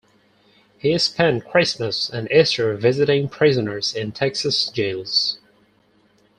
He spent Christmas and Easter visiting prisoners in Texas jails.